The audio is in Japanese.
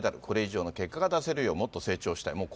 これ以上の結果が出せるようもっと成長したい。